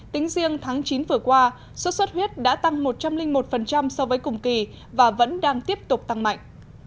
tính riêng tháng chín vừa qua sốt xuất huyết đã tăng một trăm linh một so với cùng kỳ và vẫn đang tiếp tục tăng mạnh